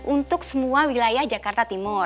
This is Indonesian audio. untuk semua wilayah jakarta timur